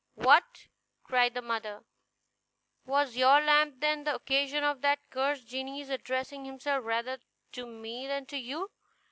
"What!" cried the mother, "was your lamp, then, the occasion of that cursed genie's addressing himself rather to me than to you?